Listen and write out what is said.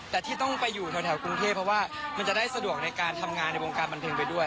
แต่ที่ต้องไปอยู่แถวกรุงเทพเพราะว่ามันจะได้สะดวกในการทำงานในวงการบันเทิงไปด้วย